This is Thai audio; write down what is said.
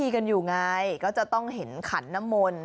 เขาจะได้เห็นขันนมนต์